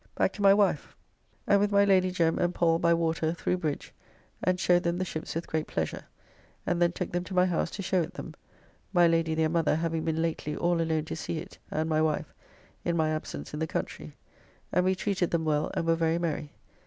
Back to my wife, and with my Lady Jem. and Pall by water through bridge, and showed them the ships with great pleasure, and then took them to my house to show it them (my Lady their mother having been lately all alone to see it and my wife, in my absence in the country), and we treated them well, and were very merry.